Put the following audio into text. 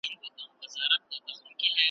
کرۍ ورځ یې په ځغستا او په مزلونو `